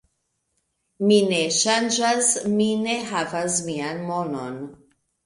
Mi ne ŝanĝas, mi ne havas vian monon